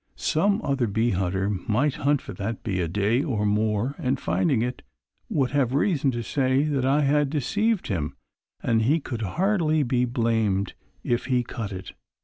Some other bee hunter might hunt for that bee a day or more and finding it would have reason to say that I had deceived him and he could hardly be blamed if he cut it.